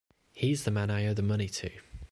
He's the man I owe the money to.